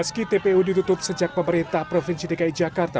meski tpu ditutup sejak pemerintah provinsi dki jakarta